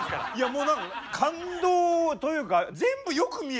もう何か感動というか全部よく見えますよね。